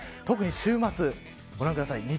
特に週末、ご覧ください。